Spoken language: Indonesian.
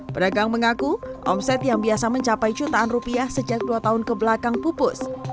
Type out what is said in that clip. pedagang mengaku omset yang biasa mencapai jutaan rupiah sejak dua tahun kebelakang pupus